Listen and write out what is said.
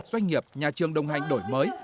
doanh nghiệp nhà trường đồng hành đổi mới